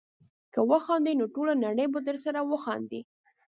که وخاندې نو ټوله نړۍ به درسره وخاندي.